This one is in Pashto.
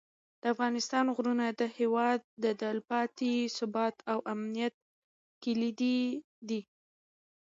د افغانستان غرونه د هېواد د تلپاتې ثبات او امنیت کلیدي دي.